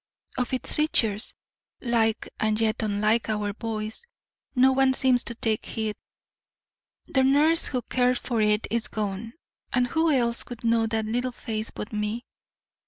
Of its features, like and yet unlike our boy's, no one seems to take heed. The nurse who cared for it is gone, and who else would know that little face but me?